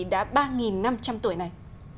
đã ba năm trăm linh tuổi này